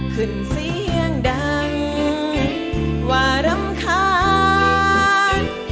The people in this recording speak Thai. ขึ้นเสียงดังว่ารำคาญ